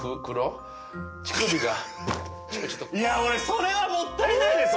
それはもったいないです。